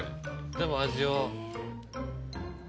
でも味は。